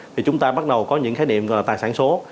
thì chúng ta bắt đầu có những khái niệm về tài sản số